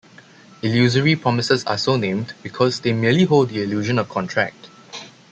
Illusory promises are so named because they merely hold the illusion of contract.